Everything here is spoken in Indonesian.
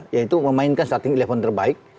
yaitu memainkan setting elemen terbaik